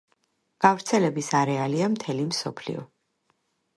გავრცელების არეალია მთელი მსოფლიო.